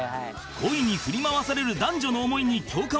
恋に振り回される男女の思いに共感を寄せる久本